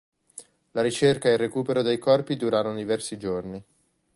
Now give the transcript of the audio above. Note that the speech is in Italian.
La ricerca e il recupero dei corpi durarono diversi giorni.